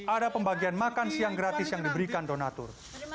ada pembagian makan siang gratis yang diberikan donatur